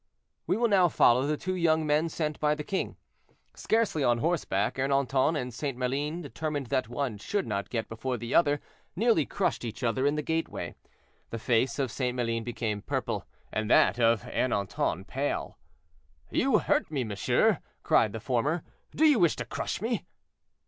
We will now follow the two young men sent by the king. Scarcely on horseback, Ernanton and St. Maline, determined that one should not get before the other, nearly crushed each other in the gateway. The face of St. Maline became purple, and that of Ernanton pale. "You hurt me, monsieur," cried the former; "do you wish to crush me?"